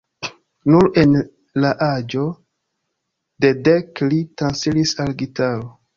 Nur en la aĝo de dek li transiris al gitaro.